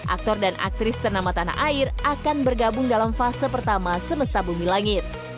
aktor dan aktris ternama tanah air akan bergabung dalam fase pertama semesta bumi langit